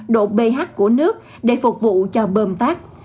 độ ph của nước để phục vụ cho bơm tắt